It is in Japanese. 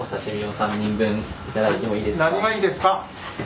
何がいいですか？